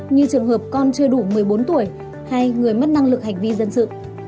như trường hợp con chưa đủ một mươi bốn tuổi hay người mất năng lực hành vi dân sự